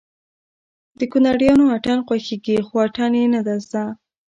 د کونړيانو اتڼ خوښېږي خو اتڼ يې نه زده